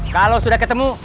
kalau sudah ketemu